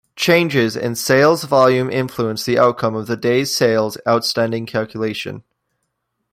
Changes in sales volume influence the outcome of the days sales outstanding calculation.